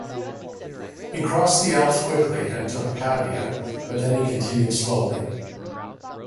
He crossed the Alps quickly and took Pavia, but then he continued slowly.